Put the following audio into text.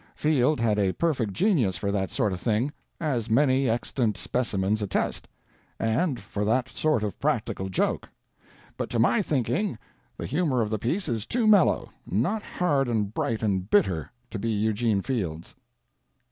Field had a perfect genius for that sort of thing, as many extant specimens attest, and for that sort of practical joke; but to my thinking the humor of the piece is too mellow not hard and bright and bitter to be Eugene Field's."